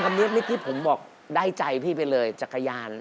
อันนี้เมื่อกี้ผมบอกได้ใจพี่ไปเลยจักรยาน